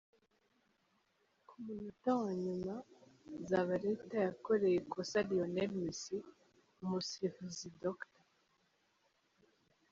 Ku munota wa nyuma, Zabaleta yakoreye ikosa Lionel Messi, umusifuzi Dr.